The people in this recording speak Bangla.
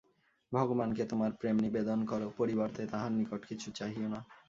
ভগবানকে তোমার প্রেম নিবেদন কর, পরিবর্তে তাঁহার নিকট কিছু চাহিও না।